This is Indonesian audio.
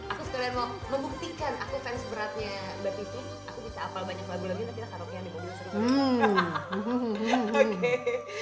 aku sekalian mau membuktikan aku fans beratnya mbak pipi aku bisa apel banyak lagu lagi nanti kita karaoke di mobil sering banget